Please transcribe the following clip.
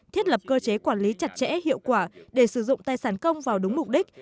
thiết lập cơ chế quản lý chặt chẽ hiệu quả để sử dụng tài sản công vào đúng mục đích